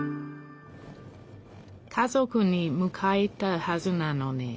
家族にむかえたはずなのに。